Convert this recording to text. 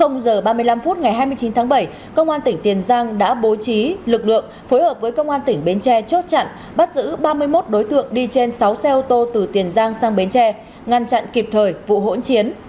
h ba mươi năm phút ngày hai mươi chín tháng bảy công an tỉnh tiền giang đã bố trí lực lượng phối hợp với công an tỉnh bến tre chốt chặn bắt giữ ba mươi một đối tượng đi trên sáu xe ô tô từ tiền giang sang bến tre ngăn chặn kịp thời vụ hỗn chiến